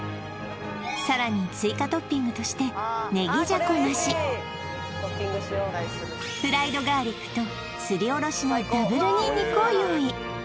さらに追加トッピングとしてねぎじゃこ増しフライドガーリックとすりおろしのダブルニンニクを用意